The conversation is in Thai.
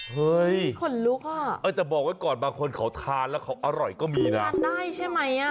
เฮ้ยแต่บอกไว้ก่อนบางคนเขาทานแล้วเขาอร่อยก็มีนะทานได้ใช่ไหม